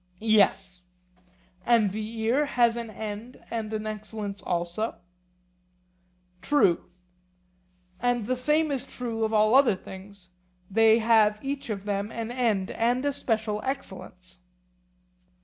Yes. And the ear has an end and an excellence also? True. And the same is true of all other things; they have each of them an end and a special excellence?